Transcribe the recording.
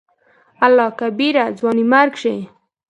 الله کبيره !ځواني مرګ شې.